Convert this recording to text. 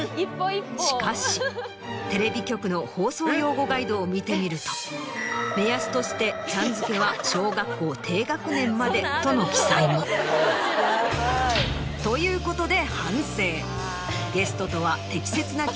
しかしテレビ局の放送用語ガイドを見てみると目安として。との記載も。ということで反省。